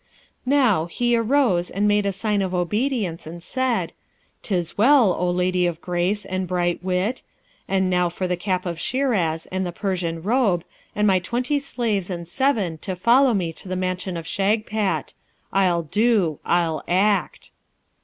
Now, he arose and made the sign of obedience and said, ''Tis well, O lady of grace and bright wit! and now for the cap of Shiraz and the Persian robe, and my twenty slaves and seven to follow me to the mansion of Shagpat. I'll do: I'll act.'